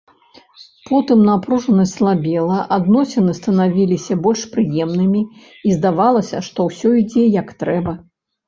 Потым напружанасць слабела, адносіны станавіліся больш прыемнымі, і здавалася, што ўсё ідзе як трэба.